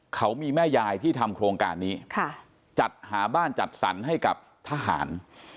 เขามีแม่ยายที่ทำโครงการนี้จัดหาบ้านจัดสรรให้กับทหาร